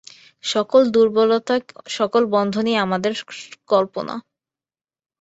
সকল দুর্বলতা, সকল বন্ধনই আমাদের কল্পনা।